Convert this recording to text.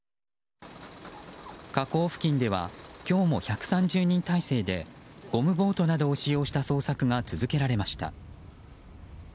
河口付近では今日も１３０人態勢でゴムボートなどを使用した捜索が続けられました。